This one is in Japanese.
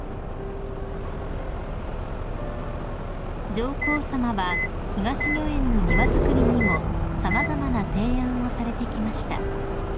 ［上皇さまは東御苑の庭造りにも様々な提案をされてきました］